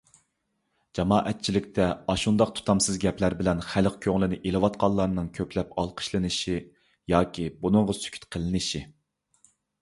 جامائەتچىلىكتە ئاشۇنداق تۇتامسىز گەپلەر بىلەن خەلق كۆڭلىنى ئېلىۋاتقانلارنىڭ كۆپلەپ ئالقىشلىنىشى ياكى بۇنىڭغا سۈكۈت قىلىنىشى.